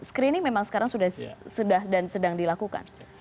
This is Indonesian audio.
screening memang sekarang sudah dan sedang dilakukan